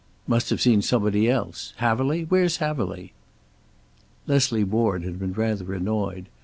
"Must have seen somebody else. Haverly? Where's Haverly?" Leslie Ward had been rather annoyed.